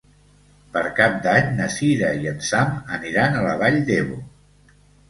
Per Cap d'Any na Sira i en Sam aniran a la Vall d'Ebo.